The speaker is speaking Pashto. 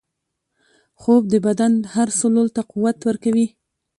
خوب د بدن هر سلول ته قوت ورکوي